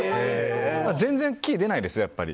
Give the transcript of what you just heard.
全然、キー出ないですよ。